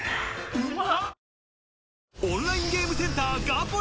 うまっ！